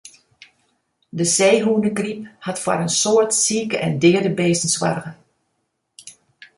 De seehûnegryp hat foar in soad sike en deade bisten soarge.